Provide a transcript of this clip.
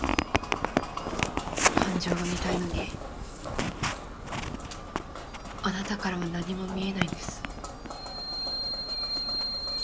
感情が見たいのにあなたからは何も見えないんです。